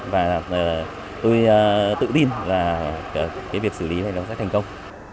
và tôi tự tin rằng việc xử lý này sẽ thành công